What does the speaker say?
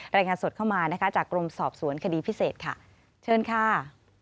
รายงานสดเข้ามานะคะจากกรมสอบสวนคดีพิเศษค่ะเชิญค่ะ